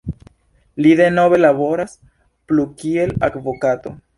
Li denove laboras plu kiel advokato.